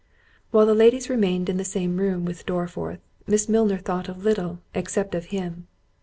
While the ladies remained in the same room with Dorriforth, Miss Milner thought of little, except of him.